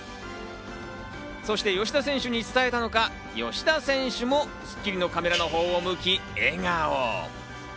そして吉田選手に伝えたのか、吉田選手も『スッキリ』のカメラのほうを向き、笑顔。